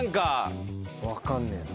分かんねえな。